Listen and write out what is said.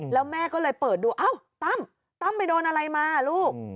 แล้วแม่ก็เลยเปิดดูอ้าวตั้มตั้มไปโดนอะไรมาลูก